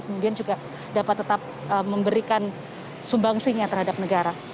kemudian juga dapat tetap memberikan sumbangsinya terhadap negara